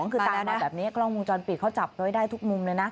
คือตามมาแบบนี้แล้วกล้องมูลจอนปิดเขาจับลงได้ทุกมุมเลยนะ